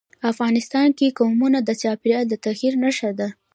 افغانستان کې قومونه د چاپېریال د تغیر نښه ده.